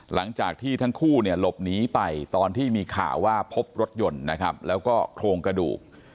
หลังจากที่ทั้งคู่เนี่ยหลบหนีไปตอนที่มีข่าวว่าพบรถยนต์นะครับแล้วก็โครงกระดูก